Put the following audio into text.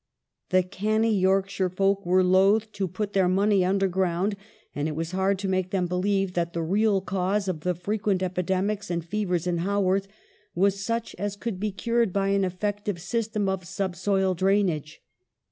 The canny Yorkshire folk were loth to put their money underground, and it was hard to make them believe that the real cause of the frequent epidemics and fevers in Haworth was such as could be cured by an effective system of subsoil drainage.